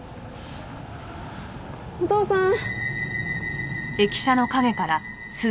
お父さん？